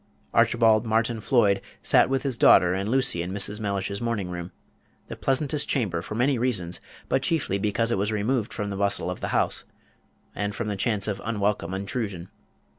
Archibald Martin Floyd sat with his daughter and Lucy in Mrs. Mellish's morning room, the pleasantest chamber for many reasons, but chiefly because it was removed from the bustle of the house, and from the chance of unwelcome intrusion.